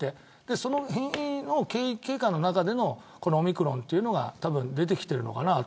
その変異経過の中でのオミクロンというのが出てきているのかなと。